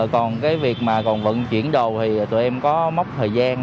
còn cái việc mà còn vận chuyển đồ thì tụi em có mốc thời gian